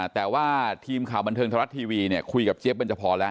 แต่ว่าทีมข่าวบันเทิงทรัฐทีวีเนี่ยคุยกับเจี๊ยบเบนจพรแล้ว